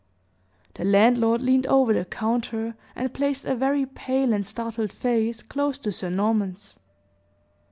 The landlord leaned over the counter, and placed a very pale and startled face close to Sir Norman's.